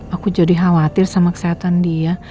aku jadi khawatir sama kesehatan dia